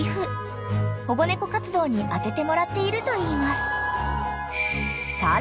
［保護猫活動に充ててもらっているといいます］